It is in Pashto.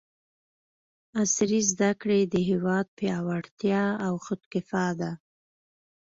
عصري زده کړې د هېواد پیاوړتیا او خودکفاء ده!